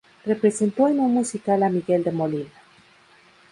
Representó en un musical a Miguel de Molina.